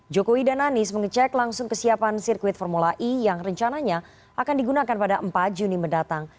jokowi dan anies mengecek langsung kesiapan sirkuit formula e yang rencananya akan digunakan pada empat juni mendatang